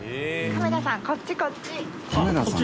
「カメラさんこっちこっち」。